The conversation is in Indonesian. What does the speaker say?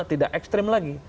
tidak ekstrim lagi